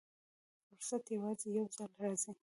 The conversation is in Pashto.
فرصت یوازې یو ځل راځي.